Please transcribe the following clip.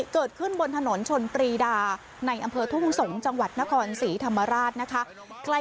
เกิดขึ้นบนถนนชนปรีดาในอำเภอทุ่งสงศ์จังหวัดนครศรีธรรมราชนะคะ